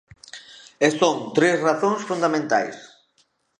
E son tres razóns fundamentais.